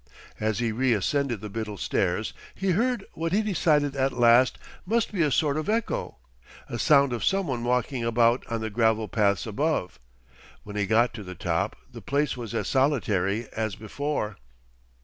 As he reascended the Biddle Stairs, he heard what he decided at last must be a sort of echo, a sound of some one walking about on the gravel paths above. When he got to the top, the place was as solitary as before.